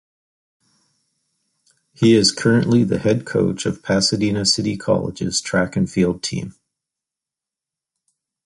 He is currently the head coach of Pasadena City College's track and field team.